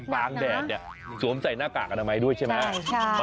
บางแดดสวมใส่หน้ากากกำไม้ด้วยใช่ไหม